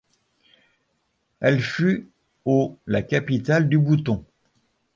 Elle fut au la capitale du bouton.